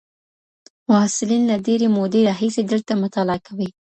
محصلين له ډېري مودې راهيسې دلته مطالعه کوي.